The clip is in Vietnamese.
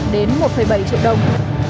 đến một bảy triệu đồng